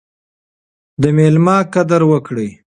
د میلمه قدر وکړئ.